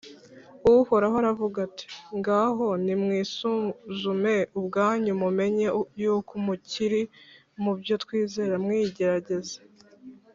uhoraho aravuga ati: “ngaho nimwisuzume ubwanyu, mumenye yuko mukiri mu byo twizera mwigerageze